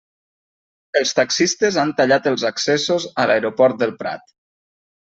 Els taxistes han tallat els accessos a l'aeroport del Prat.